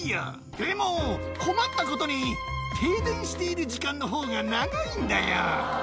でも、困ったことに停電している時間のほうが長いんだよ。